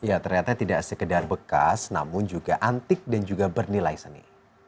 ya ternyata tidak sekedar bekas namun juga antik dan juga bernilai seni